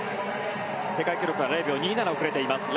世界記録は０秒２７遅れています。